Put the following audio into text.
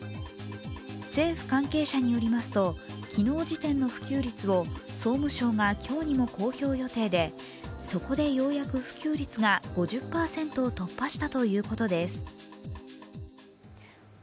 政府関係者によりますと、昨日時点の普及率を総務省が今日にも公表予定でそこでようやく普及率が５０％を突破したということです。